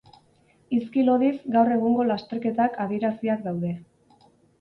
Hizki lodiz gaur egungo lasterketak adieraziak daude.